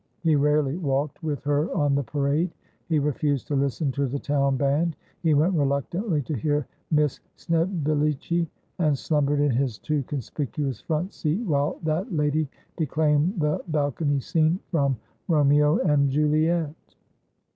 He rarely walked with her on the parade ; he refused to listen to the town band ; he went reluctantly to hear Miss Snevillici ; and slumbered in his too conspicuous front seat while that lady declaimed the Bal cony Scene from ' Romeo and Juliet.'